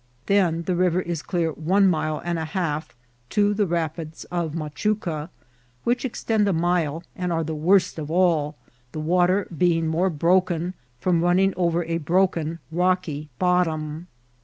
Then the river is clear one mile and a half to the rapids of Machuca, which extend a mile, and are the worst of all, the water being more broken, from running over a broken rocky bottom.